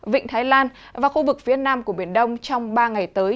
vịnh thái lan và khu vực phía nam của biển đông trong ba ngày tới